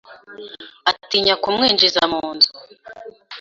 Atinya kumwinjiza mu nzu